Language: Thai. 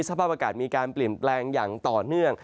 สภาพอากาศมีการเปลี่ยนแปลงอย่างต่อเนื่อง